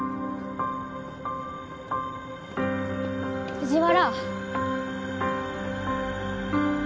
藤原。